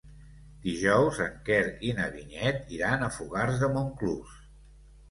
Dijous en Quer i na Vinyet iran a Fogars de Montclús.